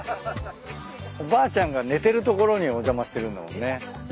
おばあちゃんが寝てる所にお邪魔してるんだもんね。